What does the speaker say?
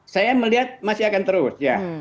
saya melihat masih akan terus ya